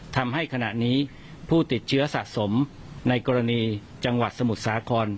ทำให้ขณะนี้ผู้ติดเชื้อสะสมในกรณีจังหวัดสมุทรสาคร